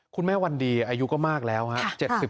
วันดีอายุก็มากแล้วครับ